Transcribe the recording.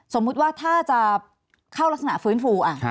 สมมุติว่าถ้าจะเข้ารักษณะฟื้นฟู